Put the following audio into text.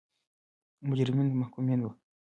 مجرمین محکومین وو.